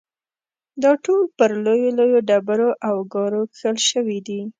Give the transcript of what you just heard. دا ټول پر لویو لویو ډبرو او ګارو کښل شوي دي.